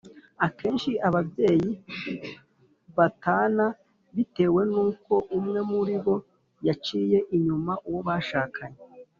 Akenshi ababyeyi batana bitewe n uko umwe muri bo yaciye inyuma uwo bashakanye